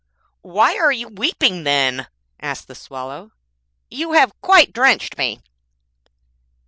'Why are you weeping then?' asked the Swallow; 'you have quite drenched me.'